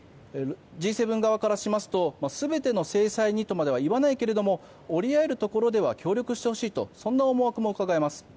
Ｇ７側からしますと全ての制裁にとは言わないが折り合えるところでは協力してほしいとそんな思惑も伺えます。